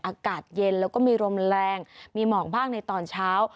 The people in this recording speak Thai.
อากาศเย็นแล้วก็มีลมแรงมีหมอกบ้างในตอนเช้า